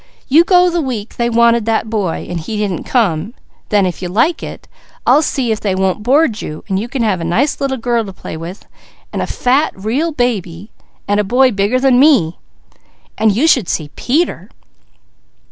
You go the week they wanted that boy, and he didn't come; then if you like it, I'll see if they won't board you, and you can have a nice little girl to play with, and a fat, real baby, and a boy bigger than me and you should see Peter!"